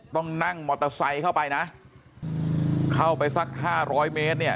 ต้องนั่งมอเตอร์ไซค์เข้าไปนะเข้าไปสักห้าร้อยเมตรเนี่ย